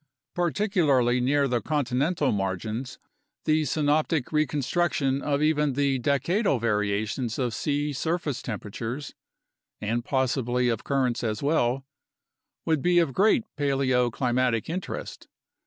Particularly near the continental margins, the synoptic reconstruction of even the decadal variations of sea surface temperatures (and possibly of currents as well) would be of great paleoclimatic interest.